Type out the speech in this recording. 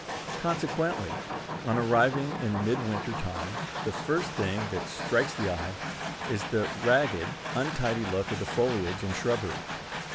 Consequently, on arriving in mid winter time, the first thing that strikes the eye is the ragged, untidy look of the foliage and shrubbery.